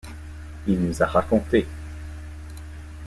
Il nous a raconté.